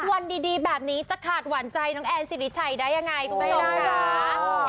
วันดีแบบนี้จะขาดหวานใจน้องแอนสิริชัยได้ยังไงคุณผู้ชมค่ะ